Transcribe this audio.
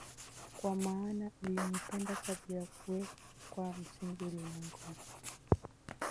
kwa maana ulinipenda kabla ya kuwekwa msingi ulimwengu